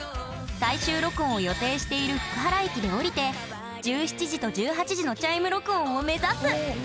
最終録音を予定している福原駅で降りて１７時と１８時のチャイム録音を目指す！